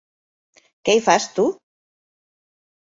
Què hi fas tu?